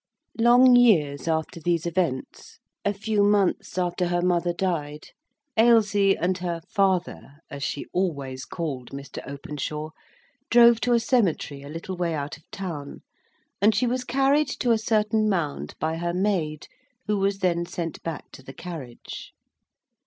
Long years after these events,—a few months after her mother died, Ailsie and her "father" (as she always called Mr. Openshaw) drove to a cemetery a little way out of town, and she was carried to a certain mound by her maid, who was then sent back to the carriage.